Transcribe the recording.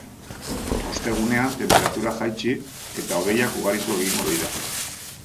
Ostegunean tenperatura jaitsi, eta hodeiak ugaritu egingo dira.